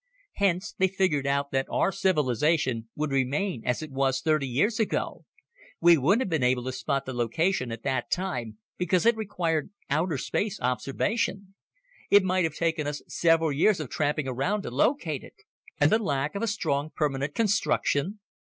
Hence they figured that our civilization would remain as it was thirty years ago. We wouldn't have been able to spot the location at that time, because it required outer space observation. It might have taken us several years of tramping around to locate it." "And the lack of a strong permanent construction?